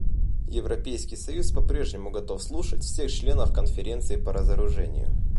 Европейский союз по-прежнему готов слушать всех членов Конференции по разоружению.